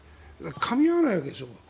かみ合わないわけですよ